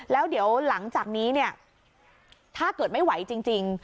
แล้วเดี๋ยวหลังจากนี้เนี่ยถ้าเกิดไม่ไหวจริง